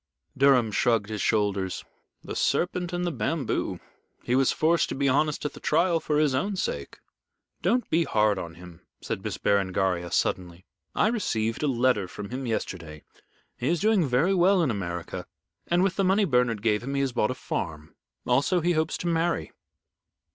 Durham shrugged his shoulders. "The serpent in the bamboo. He was forced to be honest at the trial for his own sake." "Don't be hard on him," said Miss Berengaria, suddenly. "I received a letter from him yesterday. He is doing very well in America, and with the money Bernard gave him he has bought a farm. Also, he hopes to marry."